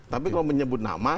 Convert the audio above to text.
tapi kalau menyebut nama